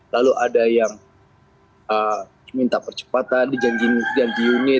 lalu ada yang minta percepatan dijanjikan ganti unit